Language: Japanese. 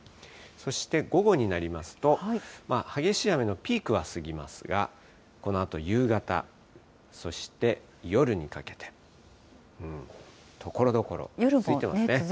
そして午後になりますと、激しい雨のピークは過ぎますが、このあと夕方、そして夜にかけて、夜も続きますね。